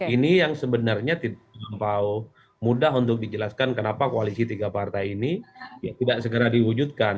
ini yang sebenarnya tidak mudah untuk dijelaskan kenapa koalisi tiga partai ini tidak segera diwujudkan